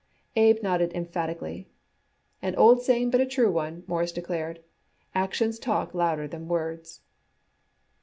Abe nodded emphatically. "An old saying but a true one," Morris declared. "Actions talk louder as words."